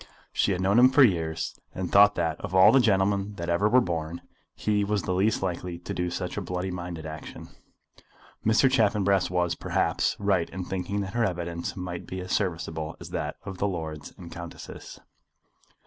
She had known him for years, and thought that, of all the gentlemen that ever were born, he was the least likely to do such a bloody minded action. Mr. Chaffanbrass was, perhaps, right in thinking that her evidence might be as serviceable as that of the lords and countesses.